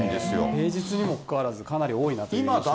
平日にもかかわらず、かなり多いなという印象がありますね。